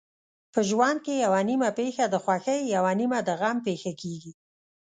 په ژوند کې یوه نیمه پېښه د خوښۍ یوه نیمه د غم پېښه کېږي.